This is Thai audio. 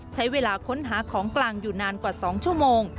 ใช้เวลาค้นหาของกลางอยู่นานกว่า๒ชั่วโมง